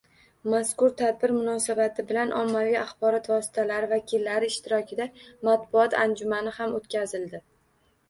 Mazkur tadbir munosabati bilan ommaviy axborot vositalari vakillari ishtirokida matbuot anjumani ham o‘tkazildi